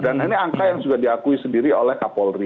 dan ini angka yang juga diakui sendiri oleh kapolri